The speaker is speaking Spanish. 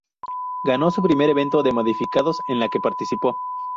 Ganó su primer evento de modificados en la que participó.